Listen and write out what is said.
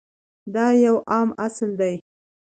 دا یو عام اصل دی.